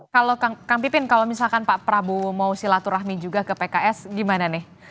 kalau kang pipin kalau misalkan pak prabowo mau silaturahmi juga ke pks gimana nih